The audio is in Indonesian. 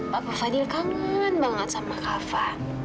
papa fadil kangen banget sama kafa